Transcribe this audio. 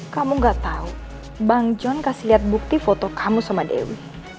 kamu gak tahu bang john kasih lihat bukti foto kamu sama dewi